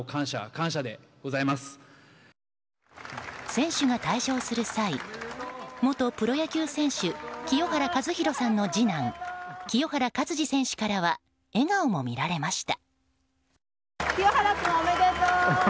選手が退場する際元プロ野球選手清原和博さんの次男清原勝児選手からは笑顔も見られました。